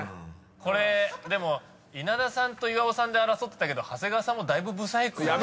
これでも稲田さんと岩尾さんで争ってたけど長谷川さんもだいぶ不細工。